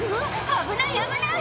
危ない危ない！